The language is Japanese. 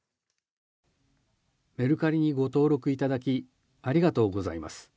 メルカリにご登録いただきありがとうございます。